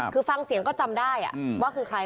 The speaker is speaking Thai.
คือฟังเสียงก็จำได้ว่าคือใคร